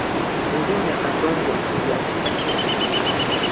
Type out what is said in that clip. Erinnya Katongole lya kika ky'Ente.